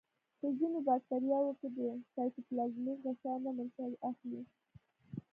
په ځینو باکتریاوو کې د سایتوپلازمیک غشا نه منشأ اخلي.